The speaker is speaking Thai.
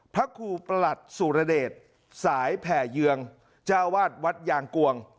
พระครูประหลัดสุรเดชสายแผ่เยืองเจ้าวาดวัดยางกวง